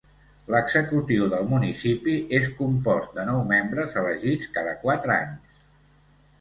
L'executiu del municipi és compost de nou membres elegits cada quatre anys.